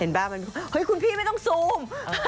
เห็นปะคุณเพี้ยงไม่ต้องซูม